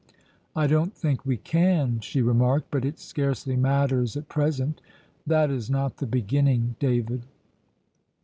"I don't think we can," she remarked; "but it scarcely matters at present. That is not the beginning, David."